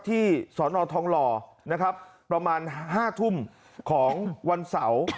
สอนอทองหล่อนะครับประมาณ๕ทุ่มของวันเสาร์